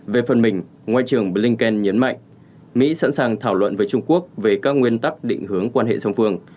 về phần mình ngoại trưởng blinken nhấn mạnh mỹ sẵn sàng thảo luận với trung quốc về các nguyên tắc định hướng quan hệ song phương